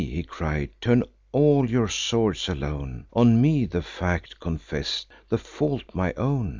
he cried—"turn all your swords alone On me—the fact confess'd, the fault my own.